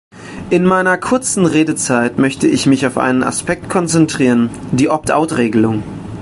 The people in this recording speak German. In meiner kurzen Redezeit möchte ich mich auf einen Aspekt konzentrieren, die Opt-out-Regelung.